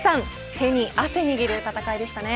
手に汗握る戦いでしたね。